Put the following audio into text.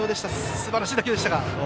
すばらしい打球でしたが。